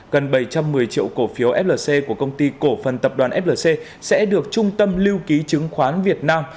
gần bảy trăm một mươi triệu cổ phiếu flc của công ty cổ phần tập đoàn flc sẽ được trung tâm lưu ký chứng khoán việt nam